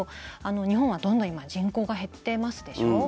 日本はどんどん今人口が減ってますでしょう。